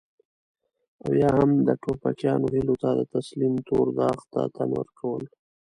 او يا هم د ټوپکيانو هيلو ته د تسليم تور داغ ته تن ورکول.